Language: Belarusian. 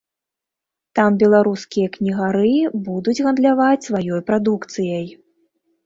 Там беларускія кнігары будуць гандляваць сваёй прадукцыяй.